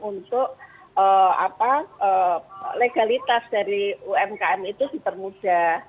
untuk legalitas dari umkm itu dipermudah